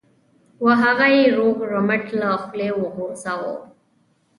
و هغه یې روغ رمټ له خولې وغورځاوه.